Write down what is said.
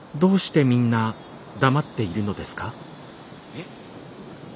えっ。